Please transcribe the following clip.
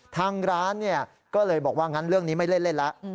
ทางร้านก็เลยบอกว่างั้นเรื่องนี้ไม่เล่นแล้ว